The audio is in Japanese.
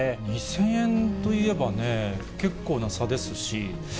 ２０００円といえばね、結構な差ですし。